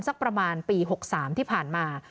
สักประมาณปี๖๓ที่ผ่านมา